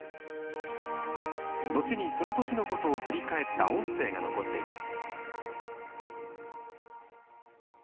後に、そのときのことを振り返った音声が残っています。